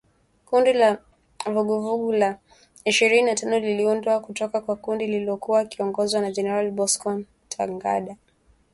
Kundi la Vuguvugu la Ishirini na tatu liliundwa kutoka kwa kundi lililokuwa likiongozwa na Generali Bosco Ntaganda